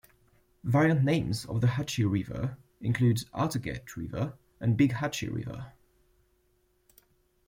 Variant names of the Hatchie River include Arteguet River and Big Hatchie River.